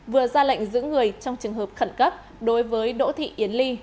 vừa ra lệnh giữ người trong trường hợp khẩn cấp đối với đỗ thị yến ly